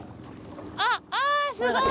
あっあすごい！